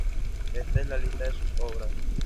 Este es la lista su obras-